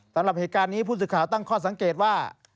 สำหรับเหตุการณ์นี้ผู้สื่อข่าวตั้งข้อสังเกตว่า